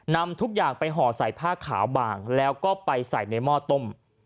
นำทุกอย่างไปห่อใส่ผ้าขาวบางแล้วก็ไปใส่ในหม้อต้ม